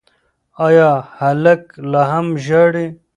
ایا هلک لا هم ژاړي؟